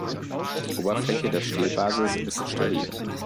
Die Oberfläche des Stielbasis ist steril.